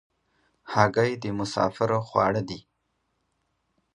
هګۍ د مسافرو خواړه دي.